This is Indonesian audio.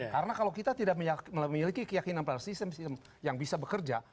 karena kalau kita tidak memiliki keyakinan pada sistem sistem yang bisa bekerja